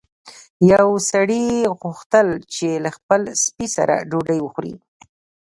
یو سړي غوښتل چې له خپل سپي سره ډوډۍ وخوري.